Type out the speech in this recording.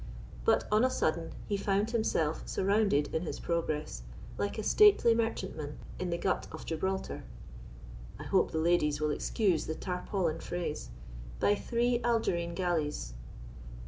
But on a sudden he found himself surrounded in his progress, like a stately merchantman in the Gut of Gibraltar (I hope the ladies will excuse the tarpaulin phrase) by three Algerine galleys.